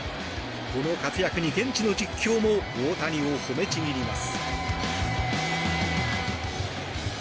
この活躍に、現地の実況も大谷を褒めちぎります。